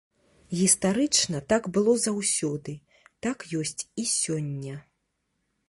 Гістарычна, так было заўсёды, так ёсць і сёння.